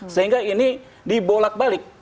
sehingga ini dibolak balik